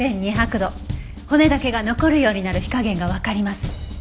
骨だけが残るようになる火加減がわかります。